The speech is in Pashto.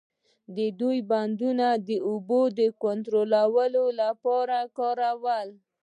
دوی بندرونه د اوبو د کنټرول لپاره کارول.